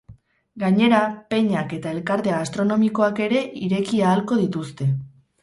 Gainera, peñak eta elkarte gastronomikoak ere ireki ahalko dituzte.